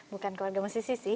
bukan keluarga musisi sih